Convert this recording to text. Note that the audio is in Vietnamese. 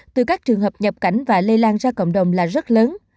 từ các trường hợp nhập cảnh và lây lan ra cộng đồng là rất lớn